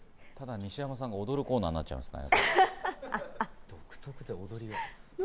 西山さんが踊るコーナーになっちゃいますね。